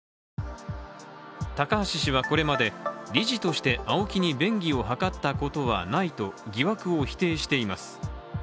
高橋氏はこれまで、理事としてＡＯＫＩに便宜を図ったことはないと疑惑を否定しています。